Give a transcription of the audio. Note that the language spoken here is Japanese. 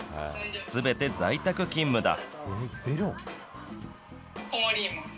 すべて在宅勤務だ。